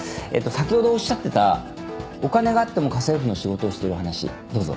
先ほどおっしゃってたお金があっても家政婦の仕事をしている話どうぞ。